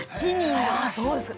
そうですか。